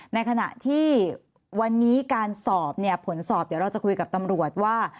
ในขณะที่วันนี้การสอบเนี่ยผลสอบเดี๋ยวเราจะคุยกับตำรวจว่า